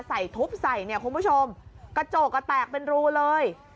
ใส่ทุบใส่เนี่ยคุณผู้ชมกระจกก็แตกเป็นรูเลย